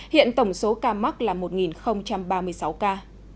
hiện tổng số ca mắc là một ba mươi sáu ca